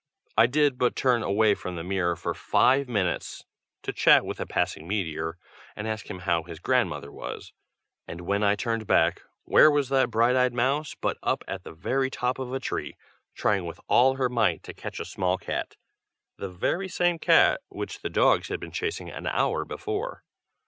I did but turn away from the mirror for five minutes, to chat with a passing meteor, and ask him how his grandmother was; and when I turned back, where was that bright eyed mouse but up at the very top of a tree: trying with all her might to catch a small cat, the very same cat which the dogs had been chasing an hour before.